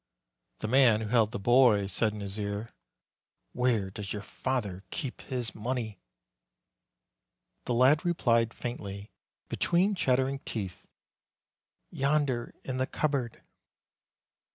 The man who held the boy said in his ear, ' 'Where does your father keep his money?" The lad replied faintly, between chattering teeth, "Yonder in the cupboard."